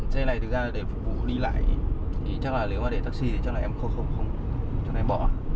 xe này thực ra để phục vụ đi lại thì chắc là nếu mà để taxi thì chắc là em không cho nên bỏ